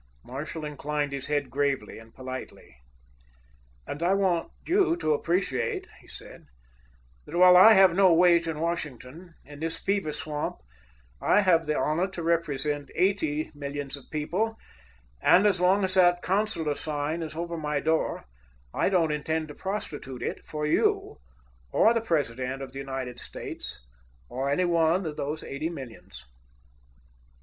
Marshall inclined his head gravely and politely. "And I want you to appreciate," he said, "that while I have no weight at Washington, in this fever swamp I have the honor to represent eighty millions of people, and as long as that consular sign is over my door I don't intend to prostitute it for you, or the President of the United States, or any one of those eighty millions."